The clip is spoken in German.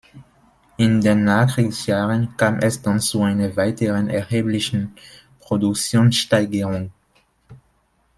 In den Nachkriegsjahren kam es dann zu einer weiteren erheblichen Produktionssteigerung.